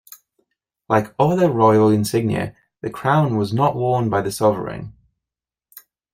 Like other royal insignia, the crown was not worn by the sovereign.